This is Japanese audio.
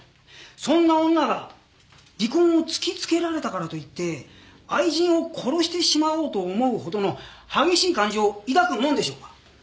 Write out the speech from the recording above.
そんな女が離婚を突きつけられたからといって愛人を殺してしまおうと思うほどの激しい感情を抱くもんでしょうか？